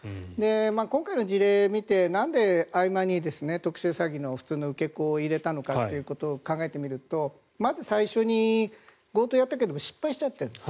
今回の事例を見てなんで合間に特殊詐欺の普通の受け子を入れたのかということを考えてみるとまず最初に強盗をやったけど失敗したというんです。